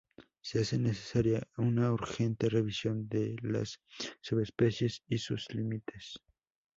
Se hace necesaria una urgente revisión de las subespecies y sus límites.